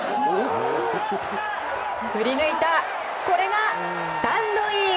振りぬいたこれがスタンドイン！